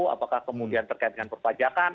apakah kemudian terkait dengan perpajakan